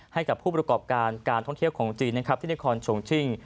ให้กับผู้ประกอบการการท่องเที่ยวของจีนนะครับที่นครชงชิ่ง